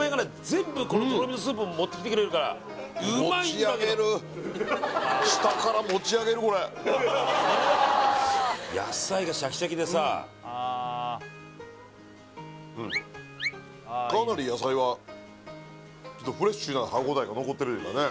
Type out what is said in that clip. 全部このとろみのスープも持ってきてくれるからうまいんだけど持ち上げる下から持ち上げるこれうんかなり野菜はちょっとフレッシュな歯応えが残ってるいうかね